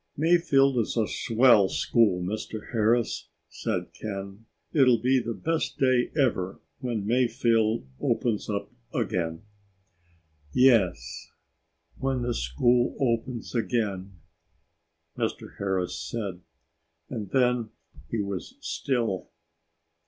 "Mayfield is a swell school, Mr. Harris," said Ken. "It'll be the best day ever when Mayfield opens up again." "Yes ... when school opens again," Mr. Harris said, and then he was still.